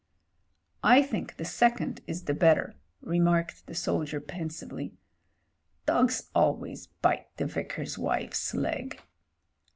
"I think the second is the better," remarked the soldier pensively. "Dogs always bite the Vicar's wife's leg.